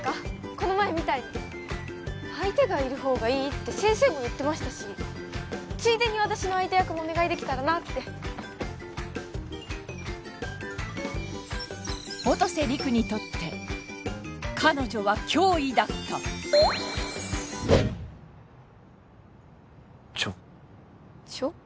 この前みたいに相手がいる方がいいって先生も言ってましたしついでに私の相手役もお願いできたらなって音瀬陸にとって彼女は脅威だったちょちょ？